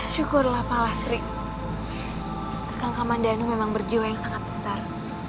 syukurlah pak lasri kakang kakang mandano memang berjiwa yang sangat besar